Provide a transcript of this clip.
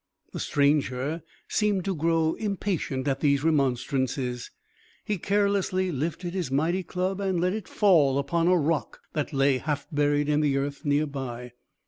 The stranger seemed to grow impatient at these remonstrances. He carelessly lifted his mighty club, and let it fall upon a rock that lay half buried in the earth, near by.